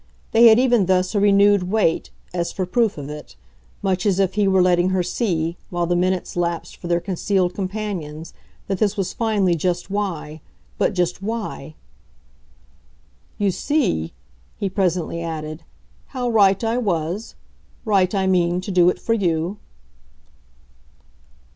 They had even thus a renewed wait, as for proof of it; much as if he were letting her see, while the minutes lapsed for their concealed companions, that this was finally just why but just WHY! "You see," he presently added, "how right I was. Right, I mean, to do it for you."